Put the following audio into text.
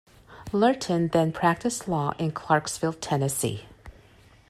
Lurton then practiced law in Clarksville, Tennessee.